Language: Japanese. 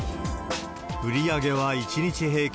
売り上げは１日平均